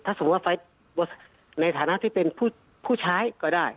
สมมุติว่าไฟล์ในฐานะที่เป็นผู้ใช้ก็ได้